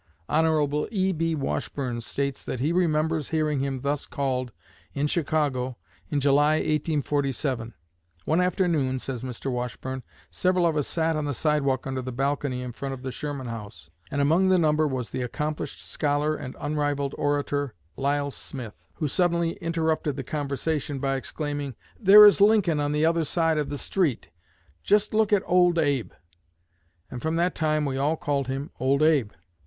Hon. E.B. Washburne states that he remembers hearing him thus called, in Chicago, in July, 1847. "One afternoon," says Mr. Washburne, "several of us sat on the sidewalk under the balcony in front of the Sherman House, and among the number was the accomplished scholar and unrivalled orator, Lisle Smith, who suddenly interrupted the conversation by exclaiming, 'There is Lincoln on the other side of the street! Just look at old Abe!' And from that time we all called him 'Old Abe.'